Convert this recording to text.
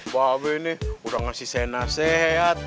ba be ini udah ngasih saya nasihat